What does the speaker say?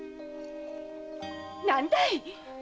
〔何だい。